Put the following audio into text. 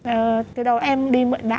ờ từ đầu em đi mượn bạn